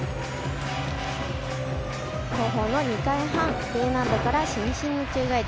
後方の２回半、Ｇ難度から伸身の宙返り。